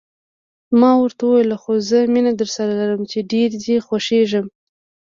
ما ورته وویل: خو زه مینه درسره لرم، چې ډېر دې خوښېږم.